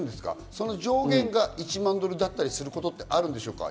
その上限が１万ドルだったりすることってあるんでしょうか？